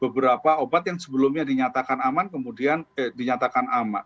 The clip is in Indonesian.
beberapa obat yang sebelumnya dinyatakan aman kemudian dinyatakan aman